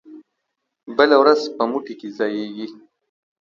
بله ورځ په مو ټه کې ځائېږي